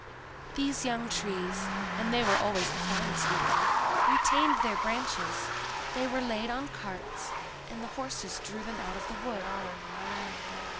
These young trees, and they were always the finest looking, retained their branches; they were laid on carts, and the horses drew them out of the wood.